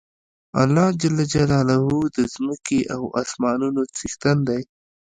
الله ج د ځمکی او اسمانونو څښتن دی